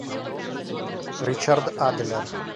Richard Adler